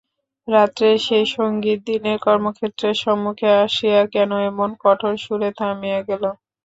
রাত্রের সেই সংগীত দিনের কর্মক্ষেত্রের সম্মুখে আসিয়া কেন এমন কঠোর সুরে থামিয়া গেল!